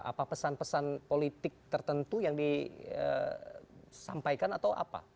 apa pesan pesan politik tertentu yang disampaikan atau apa